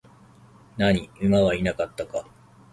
何、馬はいなかったか?